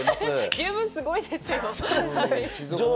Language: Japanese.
十分すごいですよ。